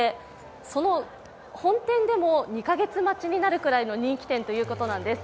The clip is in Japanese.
その本店でも２か月待ちになるくらいの人気店ということです。